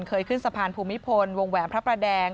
เคยขึ้นสะพานภูมิพลวงแหวนพระประแดง